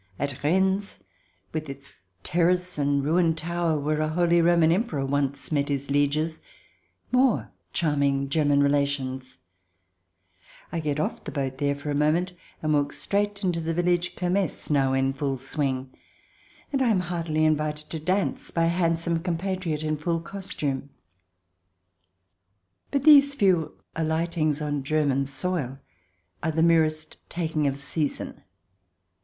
At Rens, with its terrace and ruined tower, where a holy Roman Emperor once met his lieges, more charming German relations ! I get off the boat there for a moment, and walk straight into the village Kermesse, now in full swing, and I am heartily invited to dance by a handsome compatriot in full costume. But these few alightings on German soil are the merest taking of seizin.